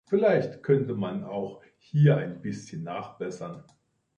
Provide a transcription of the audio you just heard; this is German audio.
Vielleicht könnte man auch hier ein bisschen nachbessern.